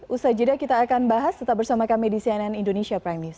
usai jeda kita akan bahas tetap bersama kami di cnn indonesia prime news